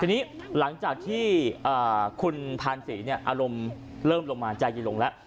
ทีนี้หลังจากที่คุณพานศรีอารมณ์เริ่มลงมาใจเย็นลงแล้ว